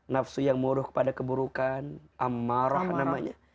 nafsu yang muruh kepada keburukan amarah namanya